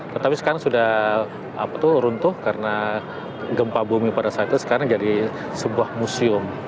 tetapi sekarang sudah runtuh karena gempa bumi pada saat itu sekarang jadi sebuah museum